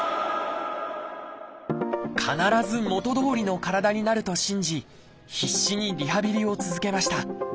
必ず元どおりの体になると信じ必死にリハビリを続けました。